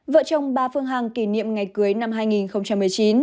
vợ chồng ba phương hằng kỷ niệm ngày cưới năm hai nghìn một mươi chín